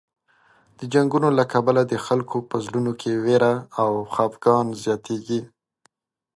د جنګونو له کبله د خلکو په زړونو کې وېره او خفګان زیاتېږي.